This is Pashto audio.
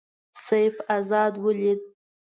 سیف آزاد ولید.